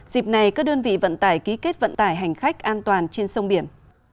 dịp này các đơn vị vận tải ký kết vận tải hành khách an toàn trên sông biển